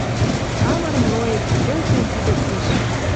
Кавыр млоец — кӹлтем пидӹт пиш.